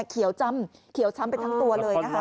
เขียวช้ำเป็นทั้งตัวเลย